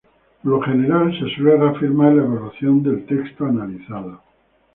Por lo general se suele reafirmar la evaluación del texto analizado.